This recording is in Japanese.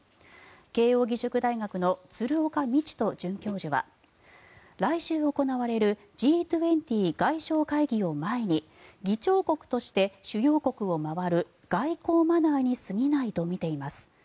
慶應義塾大学の鶴岡路人准教授は来週行われるＧ２０外相会議を前に議長国として主要国を回る外交マナーに過ぎないと見ています。